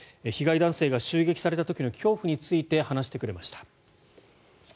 被害男性が襲撃された時の恐怖について話してくれました。